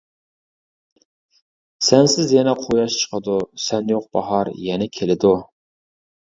سەنسىز يەنە قۇياش چىقىدۇ، سەن يوق باھار يەنە كېلىدۇ.